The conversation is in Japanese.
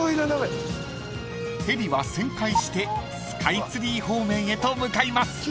［ヘリは旋回してスカイツリー方面へと向かいます］